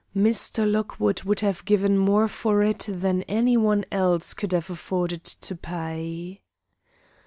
Mr. Lockwood would have given more for it than any one else could have afforded to pay."